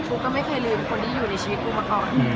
ุ๊กก็ไม่เคยลืมคนที่อยู่ในชีวิตปูมาก่อน